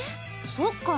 そっか。